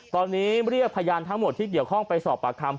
ตอนนี้เรียกพยานทั้งหมดที่เกี่ยวข้องไปสอบปากคำ